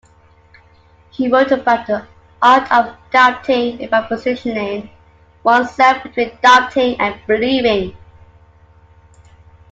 He wrote about the art of doubting-about positioning oneself between doubting and believing.